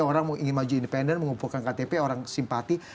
orang ingin maju independen mengumpulkan ktp orang simpati